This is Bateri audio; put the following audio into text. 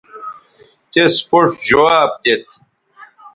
تس پوڇ جواب دیت